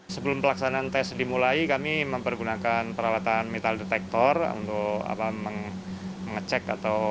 sebelum pelaksanaan tes dimulai kami mempergunakan peralatan metal detektor untuk mengecek atau